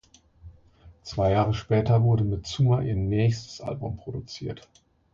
Zwei Jahre später wurde mit "Zuma" ihr nächstes Album produziert.